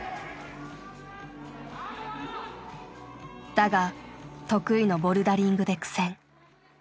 だが得意のボルダリングで苦戦。